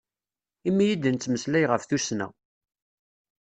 Imi i d-nettmeslay ɣef tussna.